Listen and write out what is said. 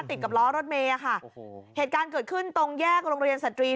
ติดกับล้อรถเมย์อ่ะค่ะโอ้โหเหตุการณ์เกิดขึ้นตรงแยกโรงเรียนสตรี